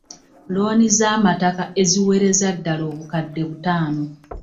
Looni z'amataka eziwereza ddala obukadde butaano.